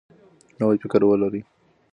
نوی فکر ولرئ.